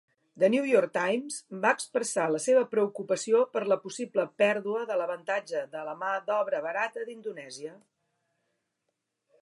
"The New York Times" va expressar la seva preocupació per la possible pèrdua de l'avantatge de la mà d'obra barata d'Indonèsia.